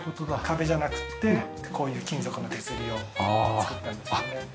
壁じゃなくてこういう金属の手すりを作ったんですよね。